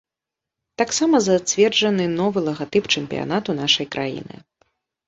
Таксама зацверджаны новы лагатып чэмпіянату нашай краіны.